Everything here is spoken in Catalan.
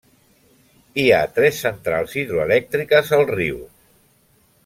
Hi ha tres centrals hidroelèctriques al riu.